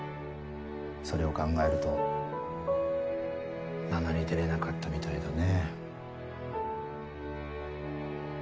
それを考えると名乗り出れなかったみたいだね。